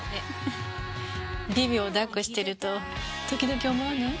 ビビを抱っこしてると時々思わない？